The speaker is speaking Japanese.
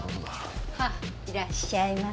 はい。